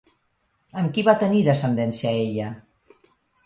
Amb qui va tenir descendència ella?